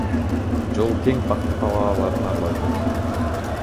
Жол кең пахта талааларын аралап өтөт.